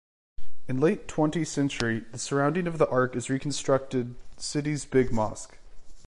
In late twenty century the surrounding of the Ark is reconstructed city's big mosque.